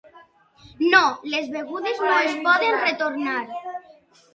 No, les begudes no es poden retornar.